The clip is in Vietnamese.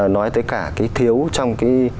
nói tới cả cái thiếu trong cái